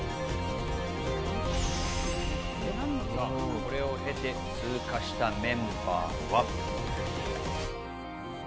これを経て通過したメンバーは？